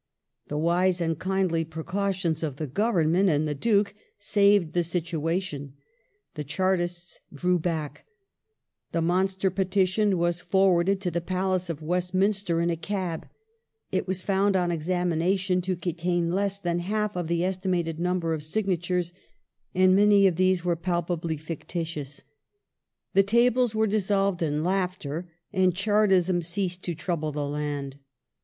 The wise and kindly precautions of the Government and the Duke saved the situation ; the Chartists drew back ; the monster petition was for warded to the Palace of Westminster in a cab ; it was found on examination to contain less than half the estimated number of signatures, and many of these were palpably fictitious.^ The tables were dissolved in laughter, and Chartism ceased to trouble the land.